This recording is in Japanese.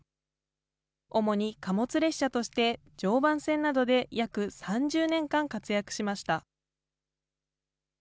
主に貨物列車として、常磐線などで約３０年間活躍しました。